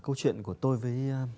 câu chuyện của tôi với